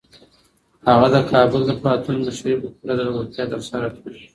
هغه د کابل د پاڅون مشري په پوره زړورتیا ترسره کړه.